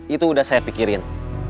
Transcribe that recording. itu udah saya pikirin